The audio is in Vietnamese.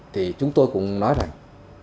thì chúng tôi cũng nói rằng